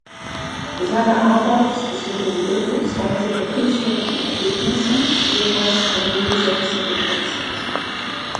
Seine Arbeits- sowie die Wirkungsweise der künstlerischen Ergebnisse sind meist von Gegensätzen gekennzeichnet.